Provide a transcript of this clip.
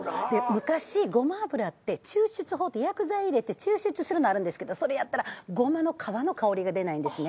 昔ごま油って薬剤入れて抽出するのあるんですけどそれやったらごまの皮の香りが出ないんですね。